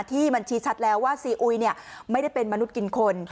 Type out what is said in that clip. ที่มันชี้ชัดแล้วว่าซีอุยไม่ได้เป็นมนุษย์กินคน